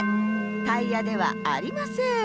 タイヤではありません。